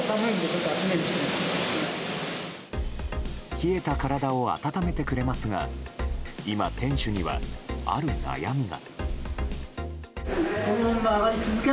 冷えた体を温めてくれますが今、店主にはある悩みが。